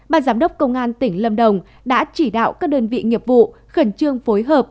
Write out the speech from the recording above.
bà giám đốc công an tỉnh lâm đồng đã chỉ đạo các đơn vị nghiệp vụ khẩn trương phối hợp